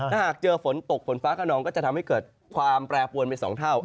ถ้าหากเจอฝนตกฝนฟ้าขนองก็จะทำให้เกิดความแปรปวนไป๒เท่า